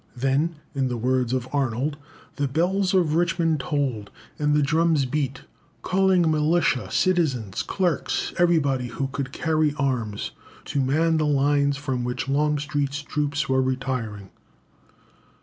"Then," in the words of Arnold, "the bells of Richmond tolled, and the drums beat, calling militia, citizens, clerks, everybody who could carry arms, to man the lines from which Longstreet's troops were retiring."